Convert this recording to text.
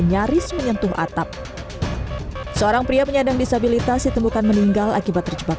nyaris menyentuh atap seorang pria penyandang disabilitas ditemukan meninggal akibat terjebak